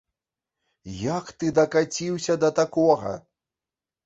Як ты дакаціўся да такога?